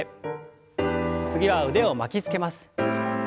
次は腕を巻きつけます。